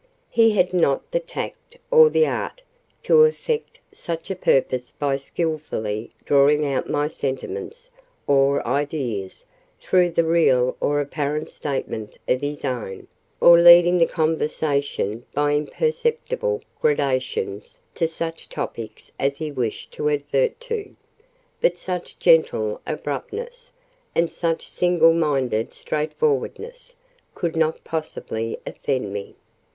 He had not the tact, or the art, to effect such a purpose by skilfully drawing out my sentiments or ideas through the real or apparent statement of his own, or leading the conversation by imperceptible gradations to such topics as he wished to advert to: but such gentle abruptness, and such single minded straightforwardness, could not possibly offend me.